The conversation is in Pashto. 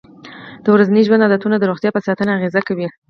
د ورځني ژوند عادتونه د روغتیا په ساتنه اغېزه کوي.